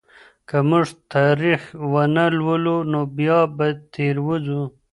که موږ تاريخ ونه لولو نو بيا به تېروځو.